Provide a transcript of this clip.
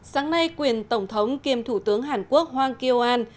sáng nay quyền tổng thống kiêm thủ tướng hàn quốc hoàng kiêu an